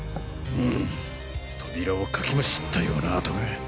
うむ扉をかきむしったような跡が。